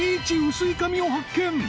薄い紙を発見！